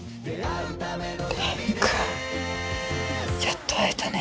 蓮くんやっと会えたね。